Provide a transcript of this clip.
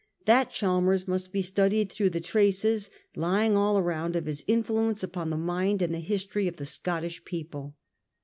That Chalmers must he studied through the traces, lying all around / of his influ ence upon the mind and the history of the Scottish people.